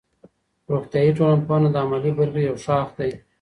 روغتیایی ټولنپوهنه د عملي برخې یو شاخ دی.